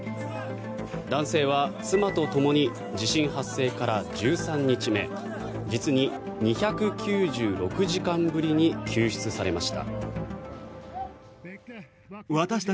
男性は妻とともに地震発生から１３日目実に２９６時間ぶりに救出されました。